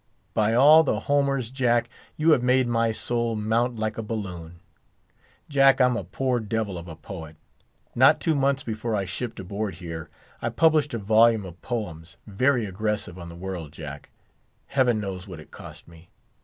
By all the Homers, Jack, you have made my soul mount like a balloon! Jack, I'm a poor devil of a poet. Not two months before I shipped aboard here, I published a volume of poems, very aggressive on the world, Jack. Heaven knows what it cost me.